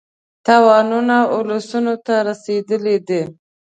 تاوانونه اولسونو ته رسېدلي دي.